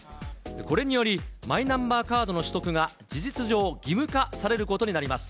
これにより、マイナンバーカードの取得が事実上、義務化されることになります。